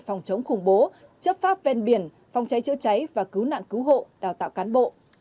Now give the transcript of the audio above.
phòng chống khủng bố chấp pháp ven biển phòng cháy chữa cháy và cứu nạn cứu hộ đào tạo cán bộ